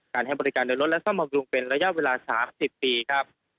การให้บริการดนรถและส่อมหกลุ่มเป็นระยะเวลา๓๐ปีครับ